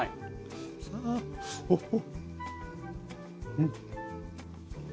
うん。